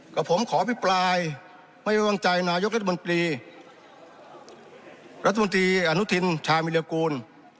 กับผมขออภิปรายไม่ไว้วางใจนายกรัฐมนตรีรัฐมนตรีอนุทินชามิรกูล